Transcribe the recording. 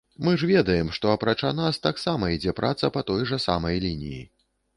Мы ж ведаем, што, апрача нас, таксама ідзе праца па той жа самай лініі.